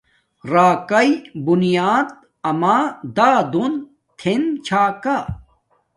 راکاݵ بونیات اما دادون تھین چھا کا